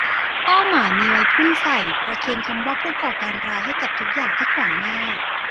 เป้าหมายมีไว้พุ่งใส่ ประเคนคำว่าผู้ก่อการร้ายให้กับทุกอย่างที่ขวางหน้า